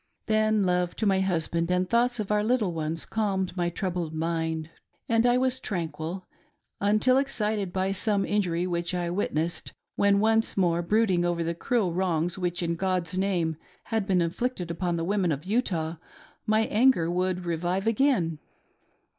Then love to my husband, and thoughts of our little ones calmed my troubled mind, and I was tranquil, until excited by some injury which I witnessed, when once more brooding over the cruel wrongs which, in God's name, had been inflicted upon the women of Utah, my anger would revive again.